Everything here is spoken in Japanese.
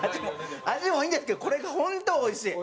味もいいんですけどこれがホント美味しい。